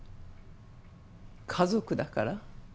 家族だから？